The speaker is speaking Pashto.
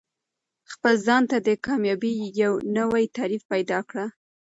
خپل ځان ته د کامیابۍ یو نوی تعریف پیدا کړه.